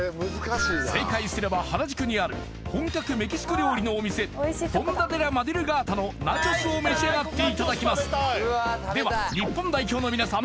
正解すれば原宿にある本格メキシコ料理のお店フォンダ・デ・ラ・マドゥルガーダのナチョスを召し上がっていただきますでは日本代表のみなさん